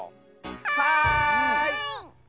はい！